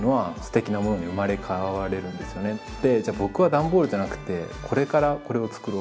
で「じゃあ僕は段ボールじゃなくてこれからこれを作ろう。